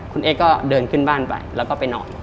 คุณเอ็กซกลว่าเดินถึงบ้านไปแล้วก็ไปนอน